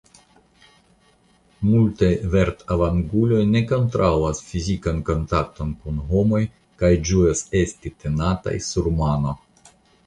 Multaj verdavanguloj ne kontraŭas fizikan kontakton kun homoj kaj ĝuas esti tenataj sur mano.